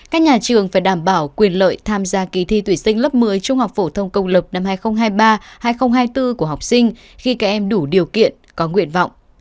các nhà trường phải đảm bảo quyền lợi tham gia kỳ thi tuyển sinh lớp một mươi trung học phổ thông công lập năm hai nghìn hai mươi ba hai nghìn hai mươi bốn của học sinh khi các em đủ điều kiện có nguyện vọng